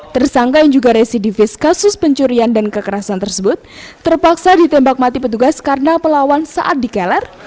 tersangka yang juga residivis kasus pencurian dan kekerasan tersebut terpaksa ditembak mati petugas karena pelawan saat dikeler